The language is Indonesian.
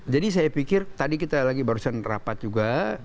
jadi saya pikir tadi kita lagi barusan rapat juga